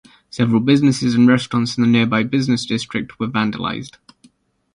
Several businesses and restaurants in the nearby business district were vandalized.